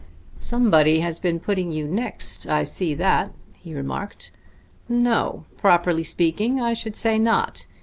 "Somebody has been putting you next, I see that," he remarked. "No: properly speaking, I should say not.